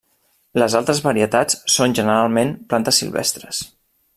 Les altres varietats són generalment plantes silvestres.